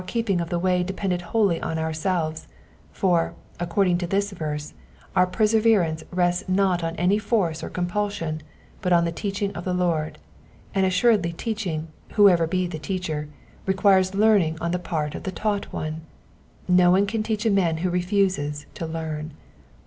93 keeping of the way depended wholly on ourselves ; for, according to this verse, our perseverance rests not on any force or compulsion, but on the teaching of the Lord, and assuredly teaching, whoever be the teacher, re quires learning on the part of the taught one : no one can teacli a man who refuses to learn.